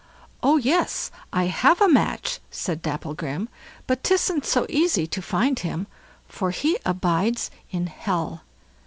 "Oh yes, I have a match", said Dapplegrim; "but 'tisn't so easy to find him, for he abides in Hell.